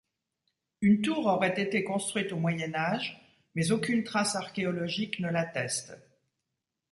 Une tour aurait été construite au Moyen Âge, mais aucune trace archéologique ne l'atteste.